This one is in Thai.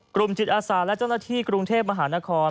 จิตอาสาและเจ้าหน้าที่กรุงเทพมหานคร